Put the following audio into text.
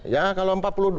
ya kalau empat puluh